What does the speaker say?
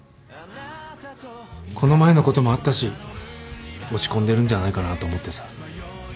この前のこともあったし落ち込んでるんじゃないかなと思ってさ。